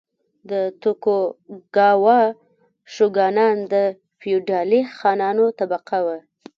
د توکوګاوا شوګانان د فیوډالي خانانو طبقه وه.